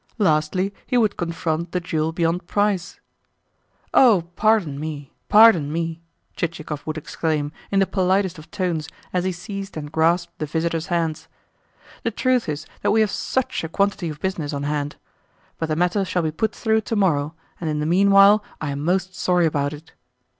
Lastly, he would confront the "jewel beyond price." "Oh, pardon me, pardon me!" Chichikov would exclaim in the politest of tones as he seized and grasped the visitor's hands. "The truth is that we have SUCH a quantity of business on hand! But the matter shall be put through to morrow, and in the meanwhile I am most sorry about it."